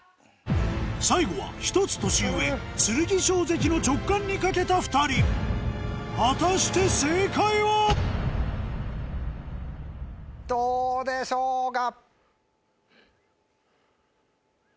最後は１つ年上剣翔関の直感に懸けた２人果たして正解は⁉どうでしょうか？